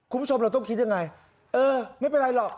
คุณผู้ชมเราต้องคิดยังไงเออไม่เป็นไรหรอก